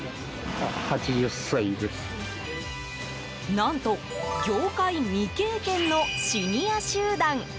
何と、業界未経験のシニア集団。